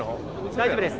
大丈夫です。